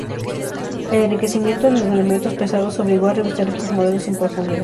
El enriquecimiento en elementos pesados obligó a revisar estos modelos en profundidad.